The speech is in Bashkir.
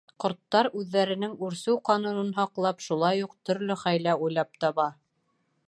Ҡорттар, үҙҙәренең үрсеү ҡанунын һаҡлап, шулай уҡ төрлө хәйлә уйлап таба.